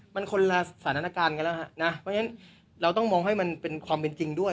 มันคนละสถานการณ์กันแล้วฮะนะเพราะฉะนั้นเราต้องมองให้มันเป็นความเป็นจริงด้วย